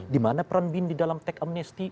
di mana peran bin di dalam tech amnesty